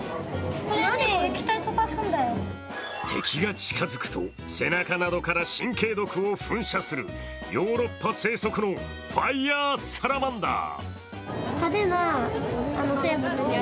敵が近づくと、背中などから神経毒を噴射するヨーロッパ生息のファイアーサラマンダー。